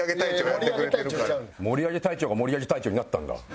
盛り上げ隊長が盛り上げ隊長になったんだ今。